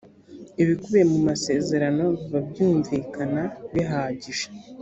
ibikubiye mu masezerano biba byumvikana bihagije